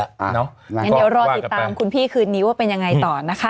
อย่างนั้นเดี๋ยวรอติดตามคุณพี่คืนนี้ว่าเป็นยังไงต่อนะคะ